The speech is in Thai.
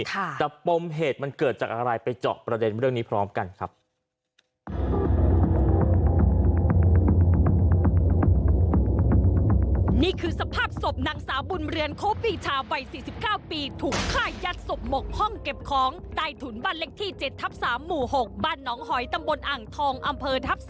แต่ปมเหตุมันเกิดจากอะไรไปเจาะประเด็นเรื่องนี้พร้อมกันครับ